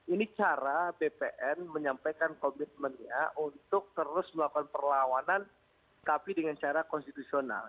ini cara bpn menyampaikan komitmennya untuk terus melakukan perlawanan tapi dengan cara konstitusional